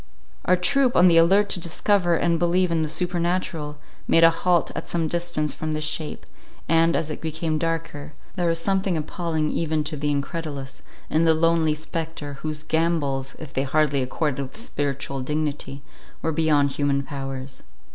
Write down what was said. Our troop, on the alert to discover and believe in the supernatural, made a halt at some distance from this shape; and, as it became darker, there was something appalling even to the incredulous, in the lonely spectre, whose gambols, if they hardly accorded with spiritual dignity, were beyond human powers.